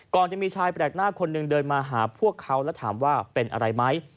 จะมีชายแปลกหน้าคนหนึ่งเดินมาหาพวกเขาแล้วถามว่าเป็นอะไรไหม